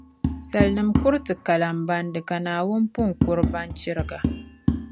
Salinima kuriti kalana bandi, ka Naawuni pun kuri banchiriga.